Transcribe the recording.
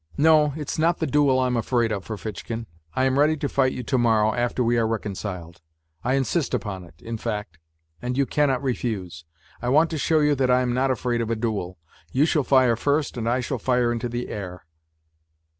" No, it's not the duel I am afraid of, Ferfitchknr! I am ready to fight you to morrow, after we are reconciled. I insist upon it, in fact, and you cannot refuse. I want to show you that I am not afraid of a duel. You shall fire first and I shall fire into the air.''